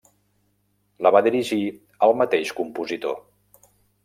La va dirigir el mateix compositor.